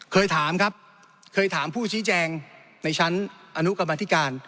เคยถามครับเคยถามผู้ชี้แจงในชั้นอนุกรรมธิการ